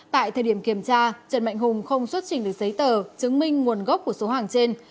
tại thời điểm kiểm tra trần mạnh hùng không xuất trình được giấy tờ chứng minh nguồn gốc của số hàng trên